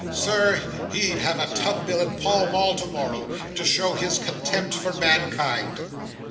Sir, he'd have a tub in Pall Mall to morrow, to show his contempt for mankind!